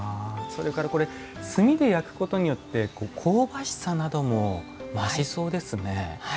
それからこれ炭で焼くことによって香ばしさなども増しそうですね。